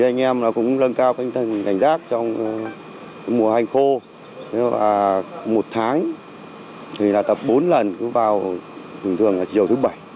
anh em cũng lân cao cảnh giác trong mùa hành khô một tháng tập bốn lần vào chiều thứ bảy